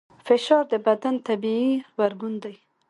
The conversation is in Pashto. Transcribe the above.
فشار د بدن طبیعي غبرګون دی.